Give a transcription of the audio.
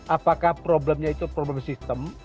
apakah problemnya itu problem sistem